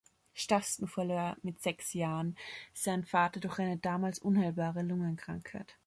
Stastny verlor mit sechs Jahren seinen Vater durch eine damals unheilbare Lungen-Krankheit.